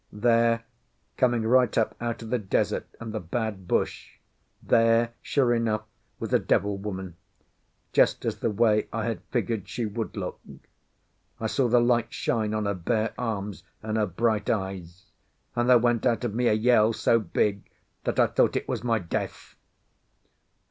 There, coming right up out of the desert and the bad bush—there, sure enough, was a devil woman, just as the way I had figured she would look. I saw the light shine on her bare arms and her bright eyes, and there went out of me a yell so big that I thought it was my death.